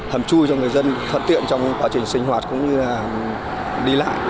hầm chui cho người dân thuận tiện trong quá trình sinh hoạt cũng như là đi lại